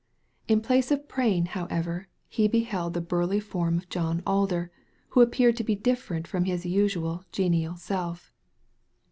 In place of Prain, how ever, he beheld the burly form of John Aider, who appeared to be different from his usual genial self.